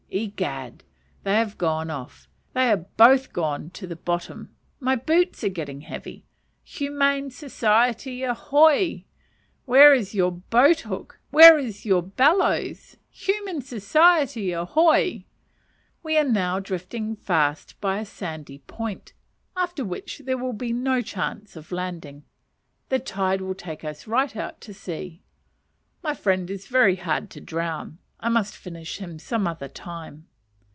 Egad! they have gone off they are both gone to the bottom! My boots are getting heavy! Humane Society, ahoy! where is your boat hook? where is your bellows? Humane Society, ahoy! We are now drifting fast by a sandy point, after which there will be no chance of landing, the tide will take us right out to sea. My friend is very hard to drown I must finish him some other time.